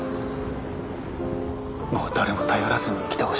もう誰も頼らずに生きてほしい。